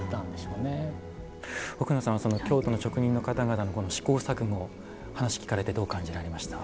奥野さんその京都の職人の方々のこの試行錯誤話聞かれてどう感じられました？